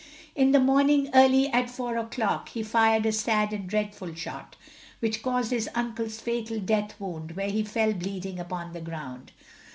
In the morning early at four o'clock He fired a sad and dreadful shot Which caused his uncle's fatal death wound Where he fell bleeding upon the ground.